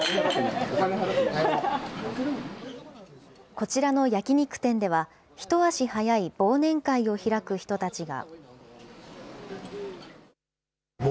こちらの焼き肉店では、一足早い忘年会を開く人たちが。